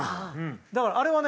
だからあれはね